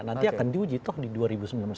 nanti akan diuji toh di gouwara